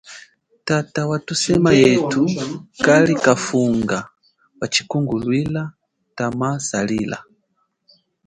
Tata wathusema yethu kali kafunga wa tshikunguluila tshama salila.